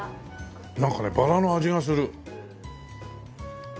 なんかねバラの味がする。